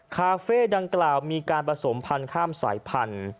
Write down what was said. คาเฟ่ดังกล่าวมีการผสมพันธุ์ข้ามสายพันธุ์